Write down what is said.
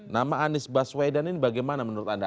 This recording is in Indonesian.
nama anies baswedan ini bagaimana menurut anda